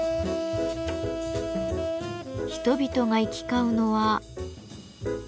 人々が行き交うのは。